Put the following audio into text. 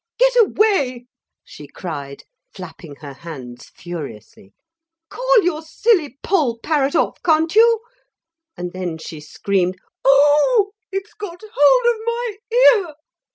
'Get away,' she cried, flapping her hands furiously; 'call your silly Poll parrot off, can't you?' And then she screamed, 'Oh! it's got hold of my ear!'